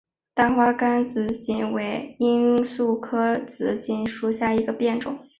大花甘肃紫堇为罂粟科紫堇属下的一个变种。